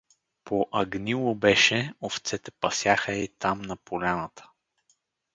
По агнило беше, овцете пасяха ей там на поляната.